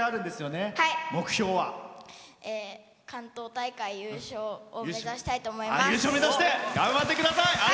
関東大会優勝を目指したいと思います。